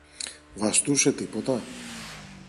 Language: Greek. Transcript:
Βαστούσε τίποτα;